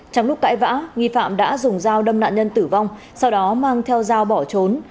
trong lúc cãi vã nghi phạm đã dùng dao đâm nạn nhân tử vong sau đó mang theo dao bỏ trốn